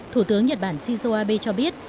thủ tướng nhật bản shinzo abe cho biết